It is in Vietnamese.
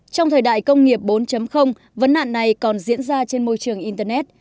trong thời đại công nghiệp bốn vấn nạn này còn diễn ra trên môi trường internet